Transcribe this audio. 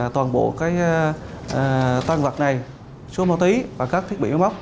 toàn bộ toàn vật này xuống máu tí và các thiết bị máy móc